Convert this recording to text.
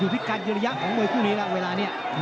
ต้องระวังเข้าตาด้วยนะครับ